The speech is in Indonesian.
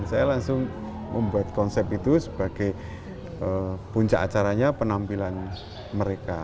saya langsung membuat konsep itu sebagai puncak acaranya penampilan mereka